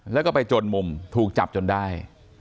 แล้วก็ไปจนมุมถูกจับจนได้